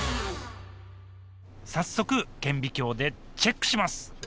早速顕微鏡でチェックします